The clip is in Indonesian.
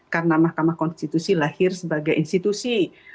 karena mahkamah konstitusi lahir sebagai institusi